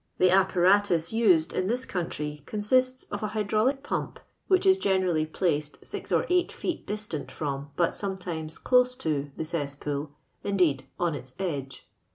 The ip paratus used in this country consists of fo hydraulic pump, which is geueralty placed ns or eight feet distant firom, but sometimes <fon to, the cesspool — indeed, on its edge.